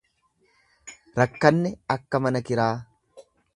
Rakkanne akka mana kiraa.